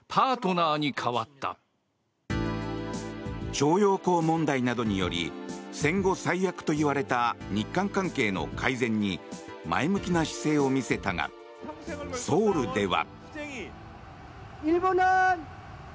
徴用工問題などにより戦後最悪と言われた日韓関係の改善に前向きな姿勢を見せたがソウルでは。